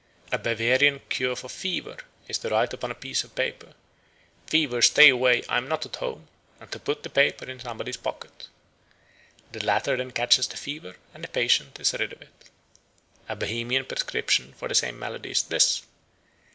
A Bavarian cure for fever is to write upon a piece of paper, "Fever, stay away, I am not at home," and to put the paper in somebody's pocket. The latter then catches the fever, and the patient is rid of it. A Bohemian prescription for the same malady is this.